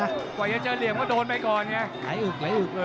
เพราะว่าอยากเจอเหลี่ยมก็โดนไปก่อนไงไหลอึก